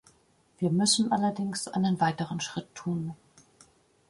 Wir müssen allerdings einen weiteren Schritt tun.